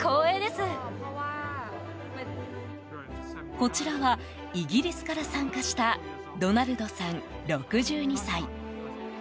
こちらはイギリスから参加したドナルドさん、６２歳。